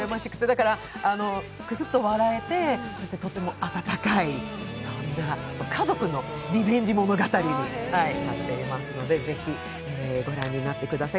だからクスっと笑えて、とても温かい、家族のリベンジ物語になっていますので是非、ご覧になってください。